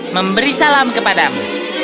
memberi salam kepadamu